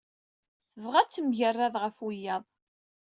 Tebɣa ad temgerrad ɣef wiyaḍ.